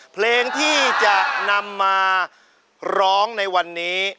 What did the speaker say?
เพลงที่จะนำมาร้องในวันนี้